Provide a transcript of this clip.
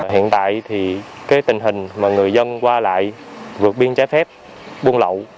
hiện tại thì cái tình hình mà người dân qua lại vượt biên trái phép buôn lậu